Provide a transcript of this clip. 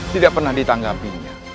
tidak pernah ditanggapinya